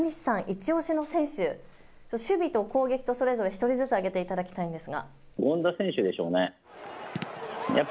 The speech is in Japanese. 一押しの選手、守備と攻撃、それぞれ１人ずつ挙げていただきたいです。